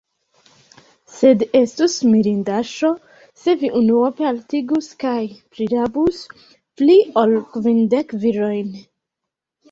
Sed estus mirindaĵo, se vi unuope haltigus kaj prirabus pli ol kvindek virojn!